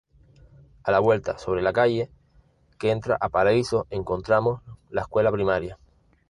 A la vuelta Sobre la calle que entra a Paraíso encontramos la escuela primaria.